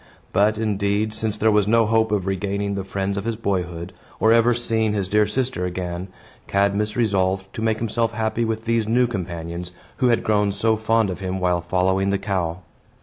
But, indeed, since there was no hope of regaining the friends of his boyhood, or ever seeing his dear sister again, Cadmus resolved to make himself happy with these new companions, who had grown so fond of him while following the cow.